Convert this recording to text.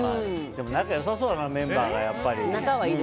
でも仲良さそうメンバーがやっぱり。